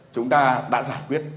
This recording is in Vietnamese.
chúng ta đã giải quyết